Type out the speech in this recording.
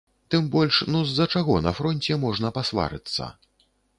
Тым больш, ну, з-за чаго на фронце можна пасварыцца?!